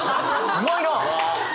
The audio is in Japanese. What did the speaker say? うまいな！